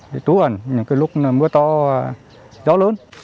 để trú ẩn những cái lúc mưa to gió lớn